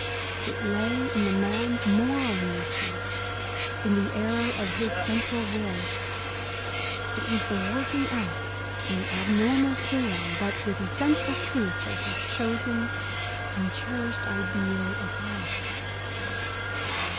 It lay in the man's moral nature, in the error of his central will. It was the working out, in abnormal form, but with essential truth, of his chosen and cherished ideal of life.